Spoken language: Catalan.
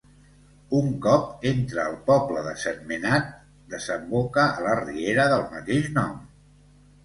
Un cop entra al poble de Sentmenat desemboca a la riera del mateix nom.